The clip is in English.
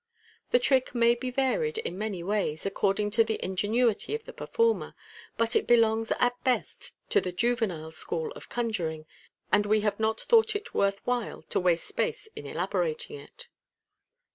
The trick may be varied in many ways, according to the ingenuity of the performer, but it belongs at best to the " juvenile " school of conjuring, and we have not thought it worth while to waste space in elaborating it.